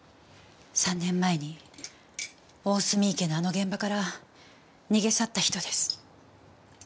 ３年前に大澄池のあの現場から逃げ去った人です。